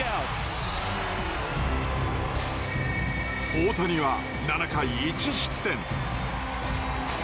大谷は７回１失点。